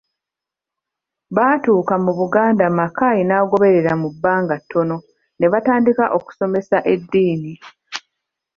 Baatuuka mu Buganda Mackay n'agoberera mu bbanga ttono, ne batandika okusomesa eddiini.